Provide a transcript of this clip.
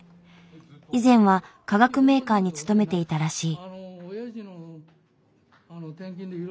以前は化学メーカーに勤めていたらしい。